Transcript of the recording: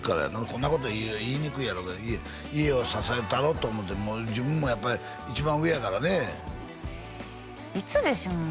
こんなこと言いにくいやろうけど家を支えたろうと思って自分もやっぱり一番上やからねいつでしょうね？